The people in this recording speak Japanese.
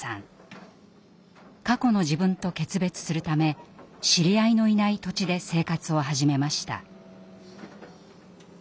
過去の自分と決別するため知り合いのいない土地で生活を始めました。